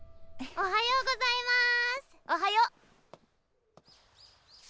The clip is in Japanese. おはようございます。